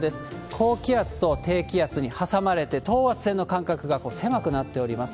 高気圧と低気圧に挟まれて、等圧線の間隔が狭くなっております。